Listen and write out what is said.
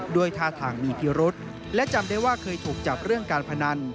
ด้วยท่าทางมีพิรุษและจำได้ว่าเคยถูกจับเรื่องการพนัน